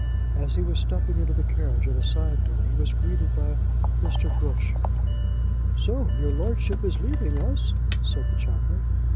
As he was stepping into the carriage at a side door he was greeted by Mr. Groschut. "So your Lordship is leaving us," said the Chaplain.